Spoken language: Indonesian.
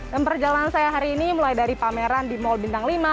dan perjalanan saya hari ini mulai dari pameran di mall bintang lima